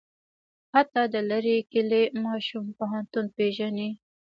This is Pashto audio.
حتی د لرې کلي ماشوم پوهنتون پېژني.